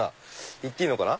行っていいのかな。